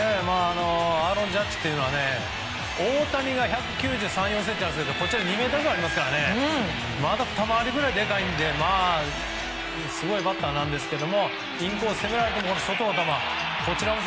アーロン・ジャッジというのは大谷が１９３１９４ｃｍあるんですがこちら２ｍぐらいありますからふた回りぐらい大きいのですごいバッターなんですけどインコースを攻められても外の球を。